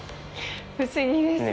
不思議ですね。